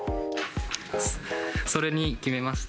それに決めました？